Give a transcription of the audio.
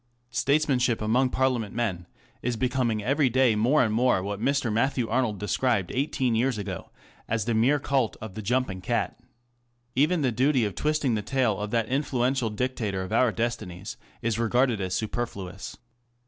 Statesmanship among Parliament men is becoming every day more and more what Mr. Matthew Arnold described eighteen years ago as the mere cult of the jumping cat. Even the duty of twisting the tail of that influential dictator of our destinies is regarded as superfluous.